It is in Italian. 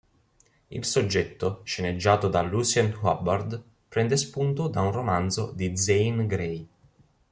Il soggetto, sceneggiato da Lucien Hubbard, prende spunto da un romanzo di Zane Grey.